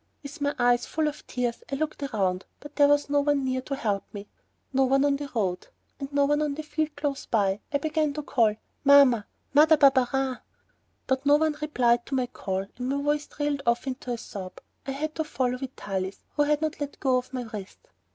With my eyes full of tears I looked around, but there was no one near to help me. No one on the road, and no one in the field close by. I began to call: "Mamma ... Mother Barberin!" But no one replied to my call, and my voice trailed off into a sob. I had to follow Vitalis, who had not let go of my wrist.